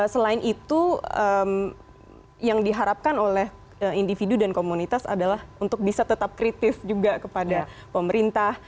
selain itu yang diharapkan oleh individu dan komunitas adalah untuk bisa tetap kritis juga kepada pemerintah